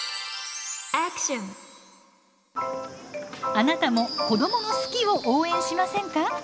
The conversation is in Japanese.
あなたも子どもの好きを応援しませんか？